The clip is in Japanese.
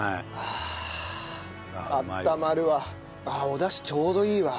おだしちょうどいいわ。